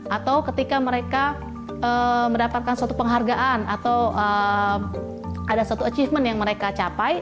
atau ketika mereka mendapatkan suatu penghargaan atau ada satu achievement yang mereka capai